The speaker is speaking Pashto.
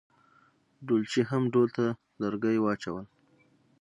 ډولچي هم ډول ته لرګي واچول.